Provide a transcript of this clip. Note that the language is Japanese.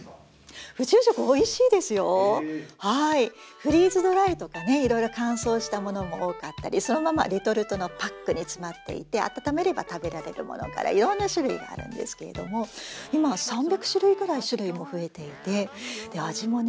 フリーズドライとかねいろいろ乾燥したものも多かったりそのままレトルトのパックに詰まっていて温めれば食べられるものからいろんな種類があるんですけれども今は３００種類ぐらい種類も増えていて味もね